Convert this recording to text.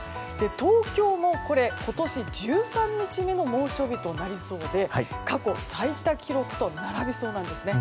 東京も今年１３日目の猛暑日となりそうで過去最多記録と並びそうなんですね。